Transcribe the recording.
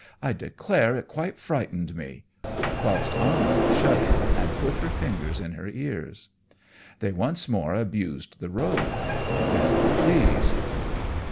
I declare it quite frightened me"; whilst Anno shuddered and put her fingers in her ears. They once more abused the road; then the trees.